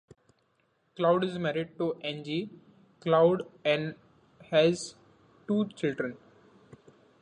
Cloud is married to Angie Cloud and has two children.